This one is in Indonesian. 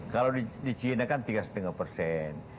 kalau di china kan tiga lima persen